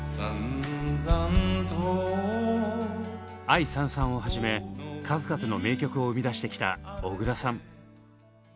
「愛燦燦」をはじめ数々の名曲を生み出してきた小椋さん。